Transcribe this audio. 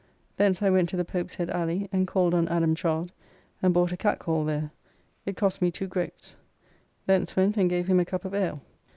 Thence I went to the Pope's Head Alley and called on Adam Chard, and bought a catcall there, it cost me two groats. Thence went and gave him a cup of ale.